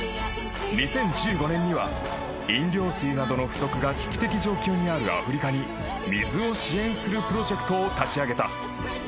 ［２０１５年には飲料水などの不足が危機的状況にあるアフリカに水を支援するプロジェクトを立ち上げた］